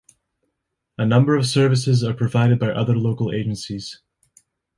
A number of services are provided by other local agencies.